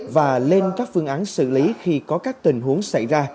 và lên các phương án xử lý khi có các tình huống xảy ra